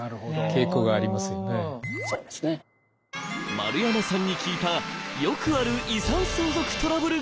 丸山さんに聞いたよくある遺産相続トラブル劇場。